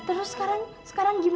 terus sekarang sekarang gimana mas